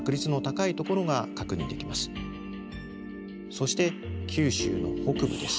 そして九州の北部です。